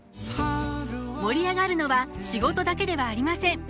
盛り上がるのは仕事だけではありません。